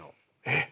えっ！